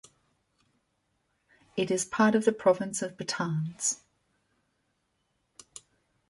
It is part of the province of Batanes.